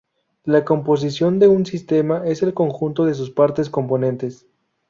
La composición de un sistema es el conjunto de sus partes componentes.